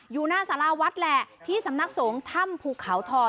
อยู่หน้าสลาวัดแหลที่สำนักสวงธรรมภูเขาธร